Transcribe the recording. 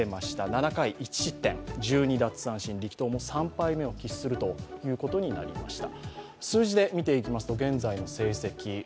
７回１失点、１２奪三振、力投も３敗目を喫するということになりました。